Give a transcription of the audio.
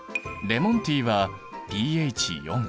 レモンティーはｐＨ４。